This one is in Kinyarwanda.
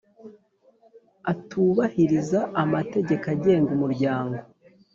atubahiriza amategeko agenga umuryango